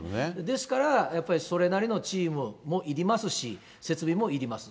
ですから、やっぱりそれなりのチームもいりますし、設備もいります。